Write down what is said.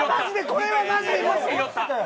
これはマジで！